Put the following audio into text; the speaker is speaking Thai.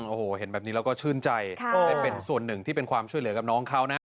โอ้โหเห็นแบบนี้แล้วก็ชื่นใจได้เป็นส่วนหนึ่งที่เป็นความช่วยเหลือกับน้องเขานะ